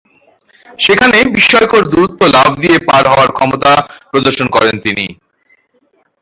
সেখানে বিস্ময়কর দূরত্ব লাফ দিয়ে পার হওয়ার ক্ষমতা প্রদর্শন করেন তিনি।